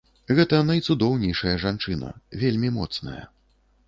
Гэта найцудоўнейшая жанчына, вельмі моцная.